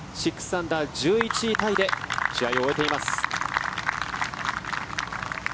６アンダー、１１位タイで試合を終えています。